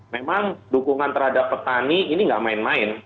memang dukungan terhadap petani ini nggak main main